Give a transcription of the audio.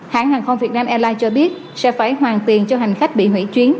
hãng hàng không việt nam airlines cho biết sẽ phải hoàn tiền cho hành khách bị hủy chuyến